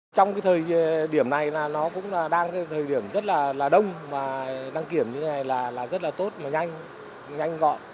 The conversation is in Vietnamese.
trong cái thời điểm này nó cũng là đang cái thời điểm rất là đông và đăng kiểm như thế này là rất là tốt và nhanh nhanh gọn